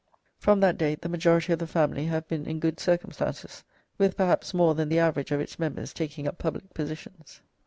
From that date the majority of the family have been in good circumstances, with perhaps more than the average of its members taking up public positions."